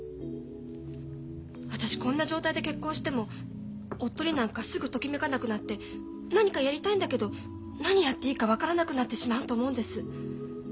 私こんな状態で結婚しても夫になんかすぐときめかなくなって何かやりたいんだけど何やっていいか分からなくなってしまうと思うんです。